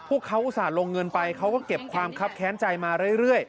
พวกเขาอุตส่าห์ลงเงินไปเขาก็เก็บความคับแค้นใจมาเรื่อย